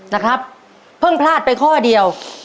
นะครับเพิ่งพลาดไปข้อเดียว